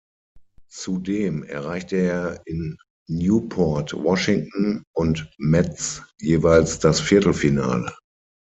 Zudem erreichte er in Newport, Washington und Metz jeweils das Viertelfinale.